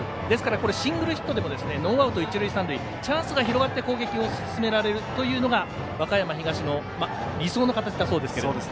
ですからシングルヒットでもノーアウト、一塁三塁とチャンスが広がって攻撃を進められるというのが和歌山東の理想の形だそうです。